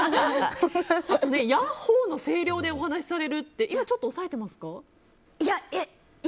ヤッホー！の声量でお話しされるって今ちょっと抑えてますか？